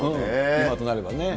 今となればね。